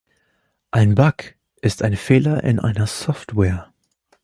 Ein "Bug" ist ein Fehler in einer Software.